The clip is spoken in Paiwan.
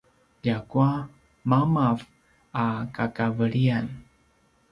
ljakua mamav a kakavelian